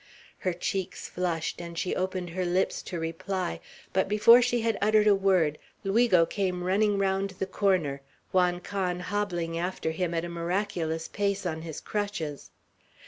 Her cheeks flushed, and she opened her lips to reply; but before she had uttered a word, Luigo came running round the corner, Juan Can hobbling after him at a miraculous pace on his crutches.